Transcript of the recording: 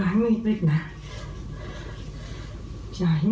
อันนี้ชอบเหรอใช่มั้ย